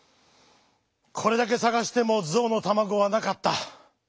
「これだけさがしてもぞうのたまごはなかった。